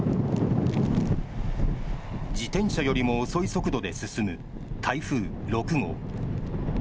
自転車よりも遅い速度で進む台風６号。